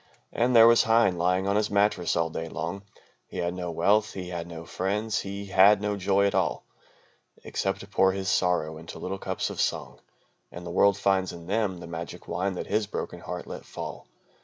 And there was Heine lying on his mattress all day long, He had no wealth, he had no friends, he had no joy at all, Except to pour his sorrow into little cups of song, And the world finds in them the magic wine that his broken heart let fall.